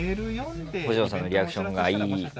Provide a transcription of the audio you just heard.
星野さんのリアクションがいい